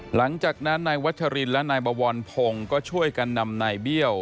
หลังจากนั้นนายวัชรินและนายบวรพงศ์ก็ช่วยกันนำนายเบี้ยว